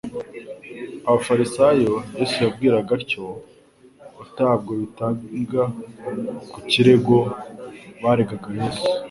Abafarisayo Yesu yabwiraga atyo, otabwo bitaga ku kirego baregaga Yesu.